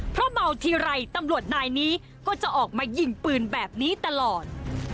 เพราะเมาทีไรตำรวจนายนี้ก็จะออกมายิงปืนแบบนี้ตลอด